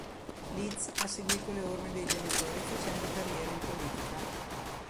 Liz ha seguito le orme dei genitori facendo carriera in politica.